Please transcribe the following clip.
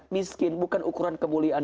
miskin bukan ukuran kemuliaan